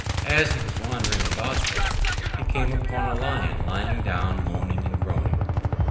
As he was wandering about there he came upon a Lion lying down moaning and groaning.